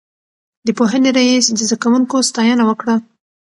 د پوهنې رئيس د زده کوونکو ستاينه وکړه.